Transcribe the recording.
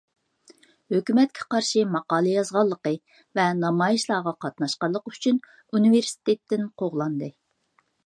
ھۆكۈمەتكە قارشى ماقالە يازغانلىقى ۋە نامايىشلارغا قاتناشقانلىقى ئۈچۈن ئۇنىۋېرسىتېتتىن قوغلاندى.